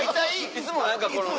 いつもは何かこの。